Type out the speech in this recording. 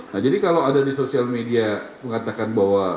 nah jadi kalau ada di sosial media mengatakan bahwa